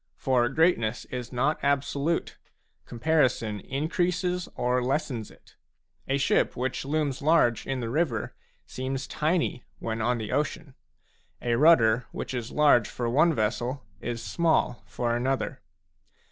For greatness is not absolute ; comparison increases it or lessens it. A ship which looms large in the river seems tiny when on the ocean. A rudder which is large for one vessel, is small for another.